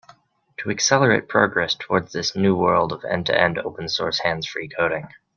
To accelerate progress towards this new world of end-to-end open source hands-free coding.